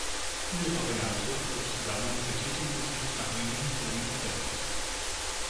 Diese Variante wurde zusammen mit der Titelmusik nach wenigen Filmen ersetzt.